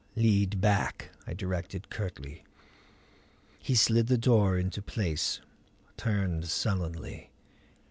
"Lead back," I directed curtly. He slid the door into place, turned sullenly.